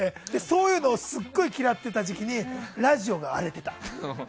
そういうのをすごい嫌ってた時期にラジオが荒れてた。